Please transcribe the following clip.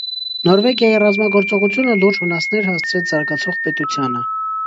Նորվեգիայի ռազմագործողությունը լուրջ վնասներ հասցրեց զարգացող պետությանը։